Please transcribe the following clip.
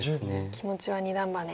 気持ちは二段バネ。